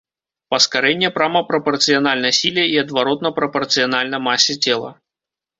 Паскарэнне прама прапарцыянальна сіле і адваротна прапарцыянальна масе цела.